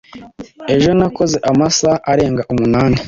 ejo nakoze amasaha arenga umunani